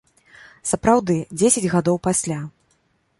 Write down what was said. Сапраўды, дзесяць гадоў пасля.